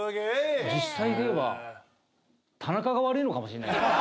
実際で言えば田中が悪いのかもしれないですよね。